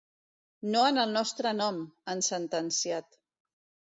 No en el nostre nom!, han sentenciat.